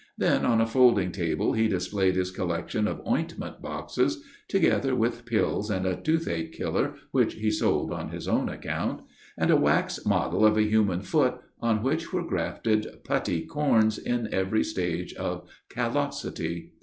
Then on a folding table he displayed his collection of ointment boxes (together with pills and a toothache killer which he sold on his own account) and a wax model of a human foot on which were grafted putty corns in every stage of callosity.